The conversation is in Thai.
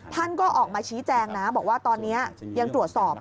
ท่านก็ออกมาชี้แจงนะบอกว่าตอนนี้ยังตรวจสอบ